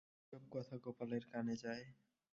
এসব কথা গোপালের কানে যায়।